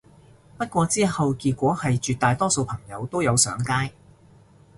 不過之後結果係絕大多數朋友都有上街